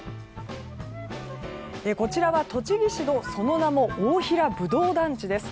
こちらは栃木市の、その名も大平ぶどう団地です。